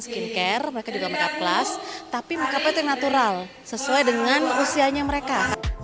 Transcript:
skincare mereka juga makeup kelas tapi makeupnya itu yang natural sesuai dengan usianya mereka